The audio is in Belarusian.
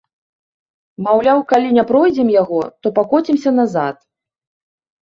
Маўляў, калі не пройдзем яго, то пакоцімся назад.